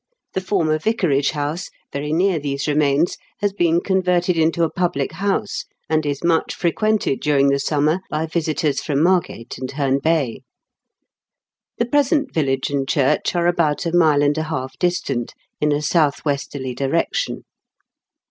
The former vicarage house, very near these remains, has been converted into a public house, and is much frequented during the summer by visitors from Margate and Heme Bay. The present village and church are about a mile and a half distant, in a south westerly direction.